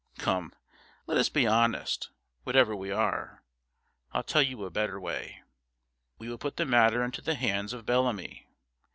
Come, let us be honest, whatever we are. I'll tell you a better way. We will put the matter into the hands of Bellamy.